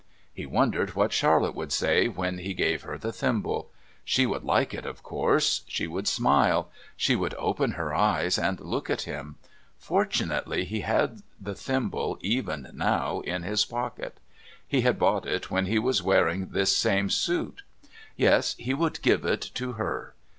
He wondered what Charlotte would say when he gave her the thimble. She would like it, of course. She would smile. She would open her eyes and look at him. Fortunately he had the thimble even now in his pocket. He had bought it when he was wearing this same suit. Yes, he would give it to her.